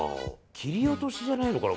切り落としじゃないのかな。